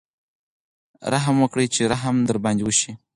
رحم وکړئ چې رحم در باندې وشي.